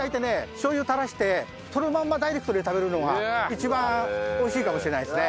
しょう油を垂らしてそのまんまダイレクトで食べるのが一番美味しいかもしれないですね。